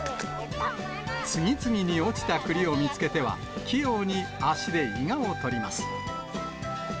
次々に落ちたくりを見つけては、器用に足でいがを取ります。